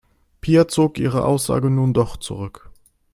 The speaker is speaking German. Pia zog ihre Aussage nun doch zurück.